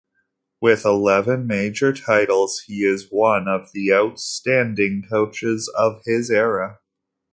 With eleven major titles he is one of the outstanding coaches of his era.